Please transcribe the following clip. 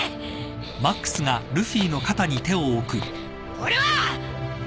俺は！